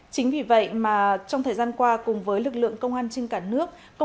chính vì vậy mà trong thời gian qua cùng với lực lượng công an trên cả nước